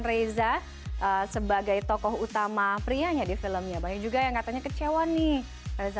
reza sebagai tokoh utama prianya di filmnya banyak juga yang katanya kecewa nih reza